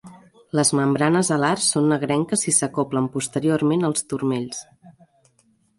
Les membranes alars són negrenques i s'acoblen posteriorment als turmells.